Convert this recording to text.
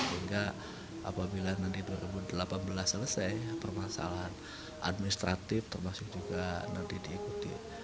sehingga apabila nanti dua ribu delapan belas selesai permasalahan administratif termasuk juga nanti diikuti